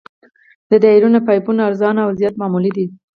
دایروي پایپونه ارزانه او زیات معمول دي